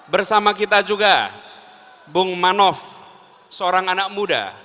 bersama kita juga bung manov seorang anak muda